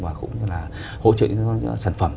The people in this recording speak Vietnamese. và cũng là hỗ trợ những sản phẩm